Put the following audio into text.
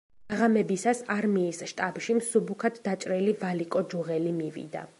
დაღამებისას არმიის შტაბში მსუბუქად დაჭრილი ვალიკო ჯუღელი მივიდა.